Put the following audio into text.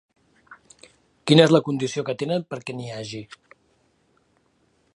Quina és la condició que tenen perquè n'hi hagi?